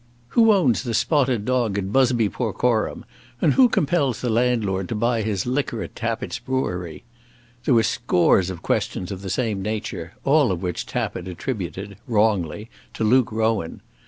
"Who owns The Spotted Dog at Busby porcorum; and who compels the landlord to buy his liquor at Tappitt's brewery?" There were scores of questions of the same nature, all of which Tappitt attributed, wrongly, to Luke Rowan.